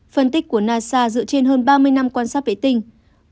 phân tích của nasa dựa trên hơn ba mươi năm quan sát vệ tinh